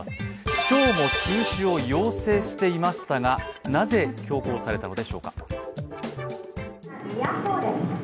市長も中止を要請していましたが、なぜ強行されたのでしょうか。